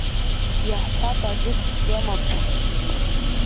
Иаҳҳәап аҿыц темақәа…